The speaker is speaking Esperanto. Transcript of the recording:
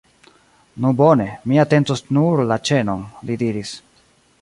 Nu bone, mi atentos nur la ĉenon, li diris.